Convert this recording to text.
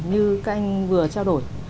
như các anh vừa trao đổi